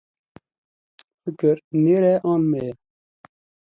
Fikir nêr e an mê ye?